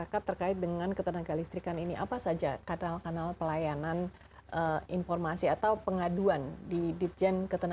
masyarakat terkait dengan ketenagalistrikan ini apa saja kadang kadang pelayanan informasi atau pengaduan di djk